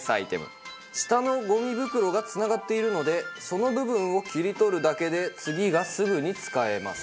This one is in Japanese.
下のゴミ袋がつながっているのでその部分を切り取るだけで次がすぐに使えます。